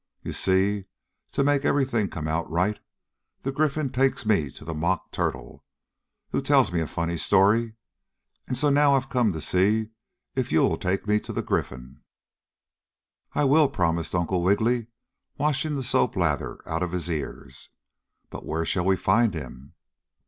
You see, to make everything come out right, the Gryphon takes me to the Mock Turtle, who tells me a funny story, and so now I've come to see if you'll take me to the Gryphon?" "I will," promised Uncle Wiggily, washing the soap lather out of his ears. "But where shall we find him?"